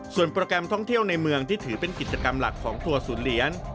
ส่วนโปรแกรมท่องเที่ยวในเมืองที่ถือเป็นกิจกรรมหลักของทัวร์ศูนย์เหรียญ